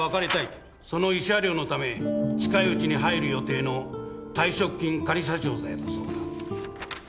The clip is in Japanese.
その慰謝料のため近いうちに入る予定の退職金仮差し押さえだそうだ。